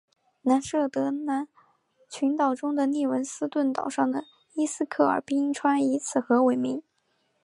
南设得兰群岛中的利文斯顿岛上的伊斯克尔冰川以此河为名。